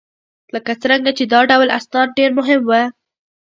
لکه څرنګه چې دا ډول اسناد ډېر مهم وه